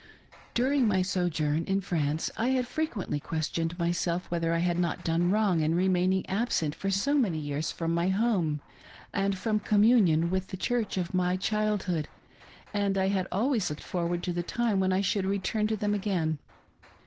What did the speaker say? During my sojourn in France I had frequently questioned myself whether I had not done wrong in remaining absent for so many years from my home and from communion with the church of my childhood, and I had always looked forward to the time when I should return to them again.